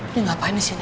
dia ngapain disini